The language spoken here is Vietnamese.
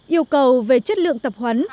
yêu cầu về chất lượng tập huấn